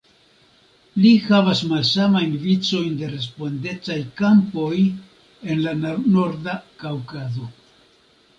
Li havis malsamajn vicojn de respondecaj kampoj en la Norda Kaŭkazo.